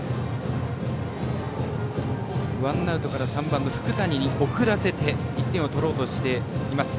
３番の福谷に送らせて１点を取ろうとしています。